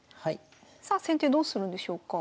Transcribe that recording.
さあ先手どうするんでしょうか？